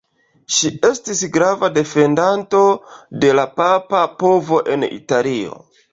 Ŝi estis grava defendanto de la papa povo en Italio.